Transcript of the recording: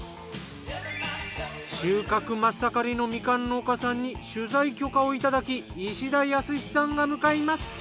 収穫真っ盛りのみかん農家さんに取材許可をいただき石田靖さんが向かいます。